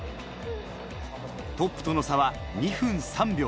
トップとの差は２分３秒。